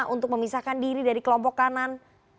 untuk memisahkan diri dari kelompok kanan